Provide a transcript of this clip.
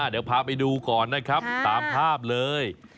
เดี๋ยวพาไปดูก่อนนะครับตามภาพเลย